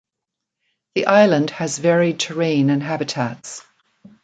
The island has varied terrain and habitats.